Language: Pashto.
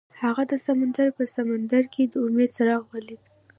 هغه د سمندر په سمندر کې د امید څراغ ولید.